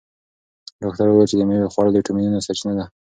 ډاکتر وویل چې د مېوې خوړل د ویټامینونو سرچینه ده.